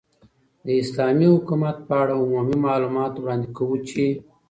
، داسلامې حكومت په اړه عمومي معلومات وړاندي كوو چې